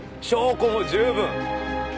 証拠も十分。